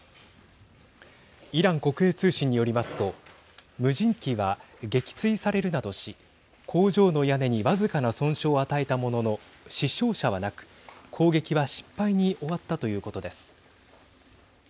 イラン国営通信によりますと無人機は撃墜されるなどし工場の屋根に僅かな損傷を与えたものの死傷者はなく攻撃は失敗に終わったということです。